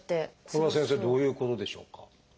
これは先生どういうことでしょうか？